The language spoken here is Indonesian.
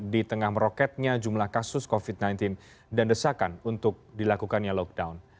di tengah meroketnya jumlah kasus covid sembilan belas dan desakan untuk dilakukannya lockdown